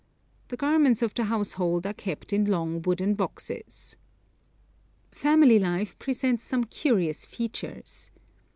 The garments of the household are kept in long wooden boxes. Family life presents some curious features.